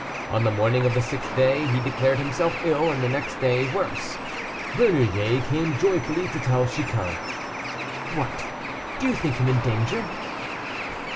On the morning of the sixth day he declared himself ill, and the next day worse. Bernouillet came joyfully to tell Chicot. "What! do you think him in danger?"